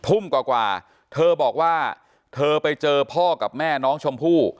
ทุ่มกว่าเธอบอกว่าเธอไปเจอพ่อกับแม่น้องชมพู่